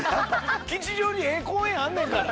吉祥寺、ええ公園あんねんから！